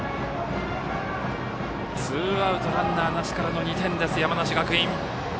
ツーアウトランナーなしからの２点山梨学院。